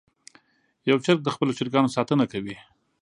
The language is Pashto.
یو چرګ د خپلو چرګانو ساتنه کوله.